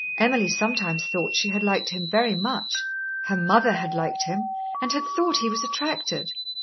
Emily sometimes thought she had liked him very much. Her mother had liked him and had thought he was attracted.